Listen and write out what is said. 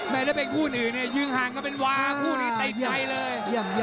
ไม่ได้เป็นคู่นี้เนี่ยยืงห่างกันเป็นวาคู่นี้เตะไกลเลย